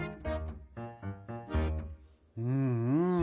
うんうん